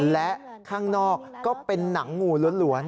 และข้างนอกก็เป็นหนังงูล้วน